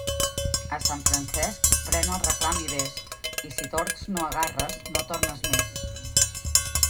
A Sant Francesc, pren el reclam i vés; i si tords no agarres, no tornes més.